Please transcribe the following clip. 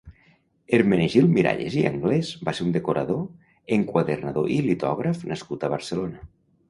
Hermenegild Miralles i Anglès va ser un decorador, enquadernador i litògraf nascut a Barcelona.